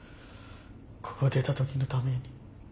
ここ出た時のために。